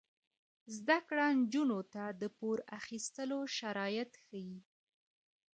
زده کړه نجونو ته د پور اخیستلو شرایط ښيي.